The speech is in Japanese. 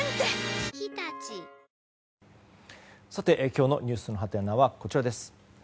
今日のｎｅｗｓのハテナはこちらです。